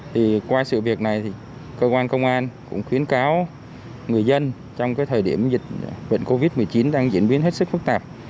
thì qua sự việc này thì cơ quan công an cũng khuyến cáo người dân trong cái thời điểm dịch bệnh covid một mươi chín đang diễn biến hết sức phức tạp